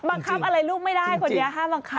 บังคับอะไรลูกไม่ได้คนนี้ห้ามบังคับ